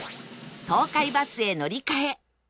東海バスへ乗り換え